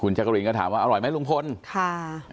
คุณจั๊กรหมีก็ถามว่าอร่อยไหมลุงพ่อนค่า